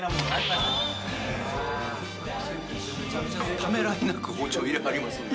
ためらいなく包丁入れはりますね。